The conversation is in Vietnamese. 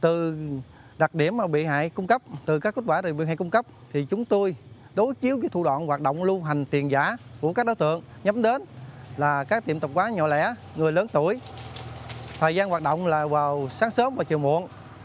từ đặc điểm mà bị hại cung cấp từ các kết quả được bị hại cung cấp thì chúng tôi đối chiếu với thủ đoạn hoạt động lưu hành tiền giả của các đối tượng nhắm đến là các tiệm tập quán nhỏ lẻ người lớn tuổi thời gian hoạt động là vào sáng sớm và chiều muộn